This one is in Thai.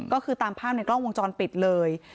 ก็คือตามภาพในกล้องวงจรปิดเลย